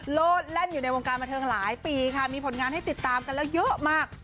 โลดแล่นอยู่ในวงการบันเทิงหลายปีค่ะมีผลงานให้ติดตามกันแล้วเยอะมาก